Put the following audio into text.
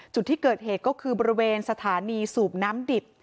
จุดที่เกิดเหตุก็คือบริเวณสถานีสูบน้ำดิบ